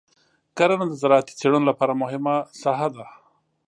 کرنه د زراعتي څېړنو لپاره مهمه ساحه ده.